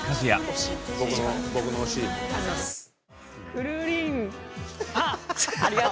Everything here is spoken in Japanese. くるりんぱ！